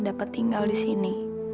dapat tinggal di sini